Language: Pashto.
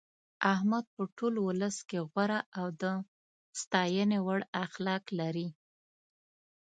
احمد په ټول ولس کې غوره او د ستاینې وړ اخلاق لري.